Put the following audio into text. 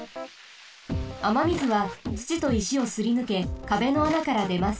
あまみずはつちといしをすりぬけかべの穴からでます。